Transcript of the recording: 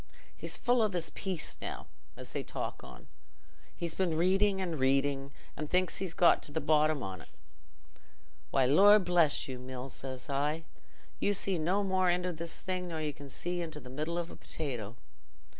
He's full o' this peace now, as they talk on; he's been reading and reading, and thinks he's got to the bottom on't. 'Why, Lor' bless you, Mills,' says I, 'you see no more into this thing nor you can see into the middle of a potato.